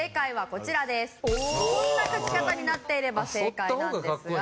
こんな描き方になっていれば正解なんですが。